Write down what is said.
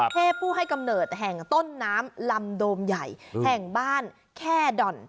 ผู้ให้กำเนิดแห่งต้นน้ำลำโดมใหญ่แห่งบ้านแค่ด่อน